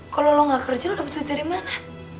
kalau lo nggak kerja lo dapet duit dari mana